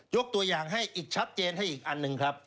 ตัวอย่างให้อีกชัดเจนให้อีกอันหนึ่งครับ